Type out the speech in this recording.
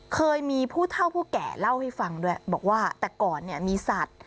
เคยมีผู้เท่าผู้แก่เล่าให้ฟังด้วยบอกว่าแต่ก่อนเนี่ยมีสัตว์